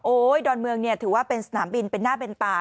ดอนเมืองเนี่ยถือว่าเป็นสนามบินเป็นหน้าเป็นตา